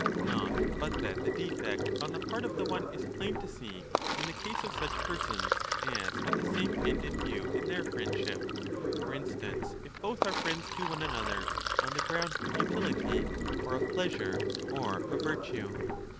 Not but that the defect on the part of the one is plain to see in the case of such persons as have the same end in view in their friendship ; for instance, if both are friends to one another on the ground 30 of utility or of pleasure or of virtue.